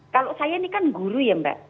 kalau saya ini kan guru ya mbak